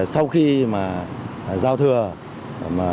sau khi mà giao thừa